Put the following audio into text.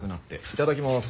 いただきます。